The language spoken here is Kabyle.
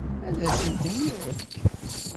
Ad as-ten-yefk?